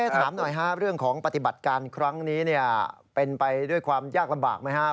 ถามหน่อยครับเรื่องของปฏิบัติการครั้งนี้เป็นไปด้วยความยากลำบากไหมครับ